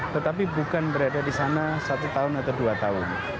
tetapi bukan berada di sana satu tahun atau dua tahun